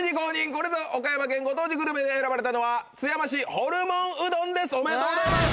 これぞ岡山県ご当地グルメに選ばれたのは津山市ホルモンうどんですおめでとうございます！